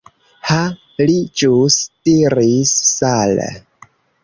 Ha, li ĵus diris "Sal."